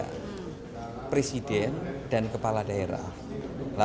kepala daerah adalah presiden dan kepala daerah